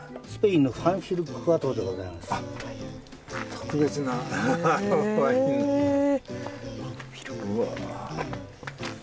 特別なワイン。え！